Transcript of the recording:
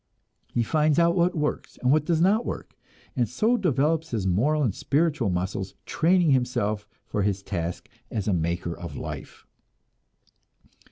He finds out what works, and what does not work, and so develops his moral and spiritual muscles, training himself for his task as maker of life.